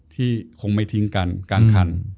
คงไม่ทิ้งกันกลางคัน